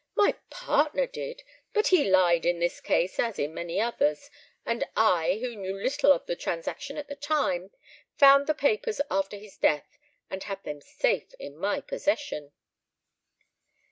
My partner did, but he lied in this case as in many others, and I, who knew little of the transaction at the time, found the papers after his death, and have them safe in my possession."